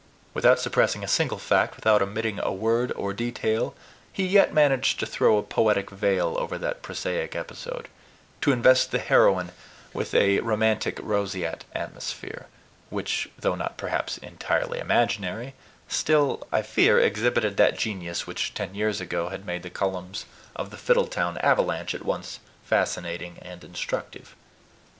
Without suppressing a single fact, without omitting a word or detail, he yet managed to throw a poetic veil over that prosaic episode, to invest the heroine with a romantic roseate atmosphere, which, though not perhaps entirely imaginary, still, I fear, exhibited that genius which ten years ago had made the columns of THE FIDDLETOWN AVALANCHE at once fascinating and instructive.